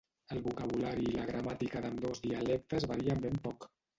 El vocabulari i la gramàtica d'ambdós dialectes varien ben poc.